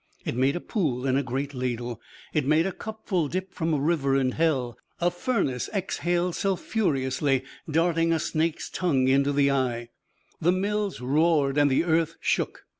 It made a pool in a great ladle; it made a cupful dipped from a river in hell. A furnace exhaled sulphurously, darting a snake's tongue into the sky. The mills roared and the earth shook.